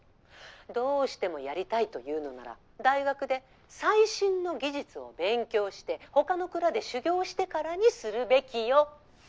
どうしてもやりたいと言うのなら大学で最新の技術を勉強して他の蔵で修業してからにするべきよ。